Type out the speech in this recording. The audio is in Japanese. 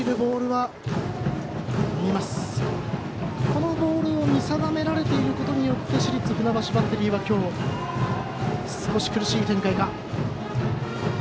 このボールを見定められていることによって市立船橋バッテリーは今日、少し苦しい展開か。